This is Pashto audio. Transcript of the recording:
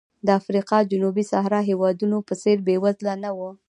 د افریقا جنوبي صحرا هېوادونو په څېر بېوزله نه و.